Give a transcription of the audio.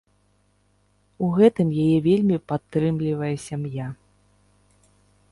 У гэтым яе вельмі падтрымлівае сям'я.